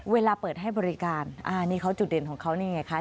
เวลาเปิดให้บริการนี่เขาจุดเด่นของเขานี่ไงคะ